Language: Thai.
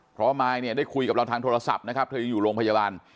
เพราะมายเนี่ยได้คุยกับเราทางโทรศัพท์นะครับเธอยังอยู่โรงพยาบาล